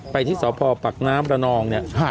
ที่สพปักน้ำระนองเนี่ย